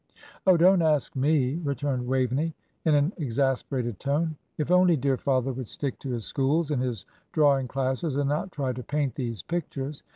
"Oh, don't ask me," returned Waveney, in an exasperated tone. "If only dear father would stick to his schools, and his drawing classes, and not try to paint these pictures!